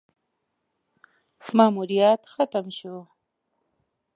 ماموریت ختم شو: